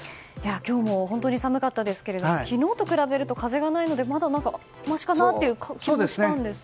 今日も本当に寒かったですけど昨日と比べると風がないのでまだましかなという気がしたんですが。